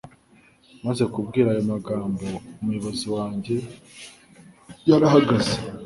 Maze kumbwira aya magambo umuyobozi wanjye yarahagaze